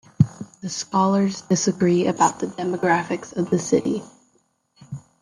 The scholars disagree about the demographics of the city.